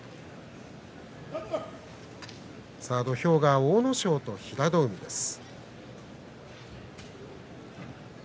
土俵が阿武咲と平戸海です。